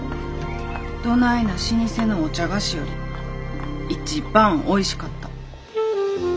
どないな老舗のお茶菓子より一番おいしかった。